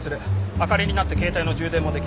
明かりになって携帯の充電もできる。